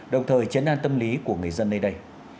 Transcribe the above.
đồng thời chấn an tâm lý của người dân nơi đây